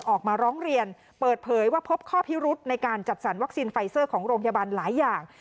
ออกมาร้องเรียนเปิดเผยว่าพบข้อพิรุธในการจัดสรรวัคซีนไฟเซอร์ของโรงพยาบาลหลายอย่าง